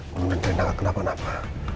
mudah mudahan nanda gak kenapa kenapa